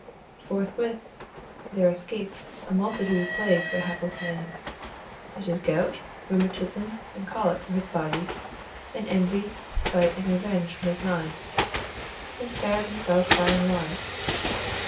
Forthwith there escaped a multitude of plagues for hapless man, such as gout, rheumatism, and colic for his body, and envy, spite, and revenge for his mind, and scattered themselves far and wide.